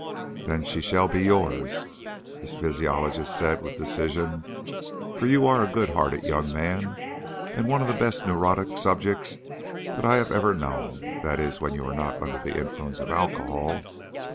"Then she shall be yours," the physiologist said with decision, "for you are a good hearted young man, and one of the best neurotic subjects that I have ever known that is when you are not under the influence of alcohol.